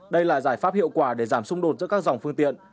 đây là giải pháp hiệu quả để giảm xung đột giữa các dòng phương tiện